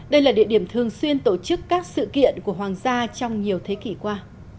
đây là địa điểm thường xuyên tổ chức các sự kiện của hoàng gia trong nhiều thế kỷ qua